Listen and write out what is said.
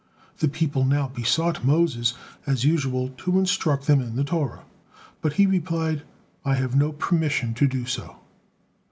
The people now besought Moses as usual to instruct them in the Torah, but he replied, "I have no permission to do so."